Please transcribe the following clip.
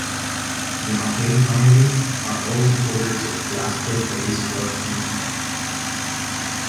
The Mackay family are all supporters of Glasgow-based club Queen's Park.